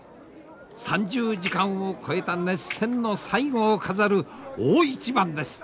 ３０時間を超えた熱戦の最後を飾る大一番です。